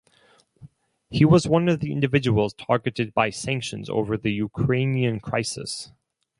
He was one of the individuals targeted by sanctions over the Ukrainian crisis.